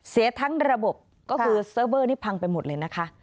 เสียทั้งระบบก็คือเซิร์ฟเวอร์นี่พังไปหมดเลยนะคะ